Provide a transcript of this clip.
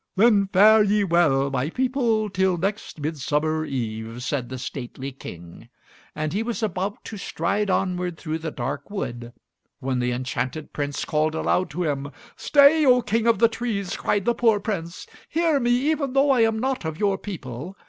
"Then fare ye well, my people, till next Midsummer Eve," said the stately King. And he was about to stride onward through the dark wood when the enchanted Prince called aloud to him! "Stay, O King of the Trees," cried the poor Prince. "Hear me even though I am not of your people.